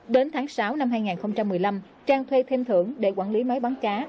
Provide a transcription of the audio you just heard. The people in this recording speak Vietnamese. đến tháng sáu năm hai nghìn một mươi năm trang thuê thêm thưởng để quản lý máy bán cá